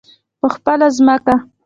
په خپله ځمکه.